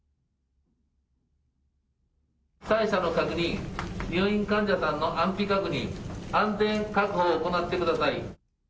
被災者の確認、入院患者さんの安否確認、安全確保を行ってください。